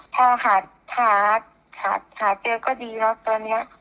ถ้าหาเจอก็ดีแล้วตัวเนี้ย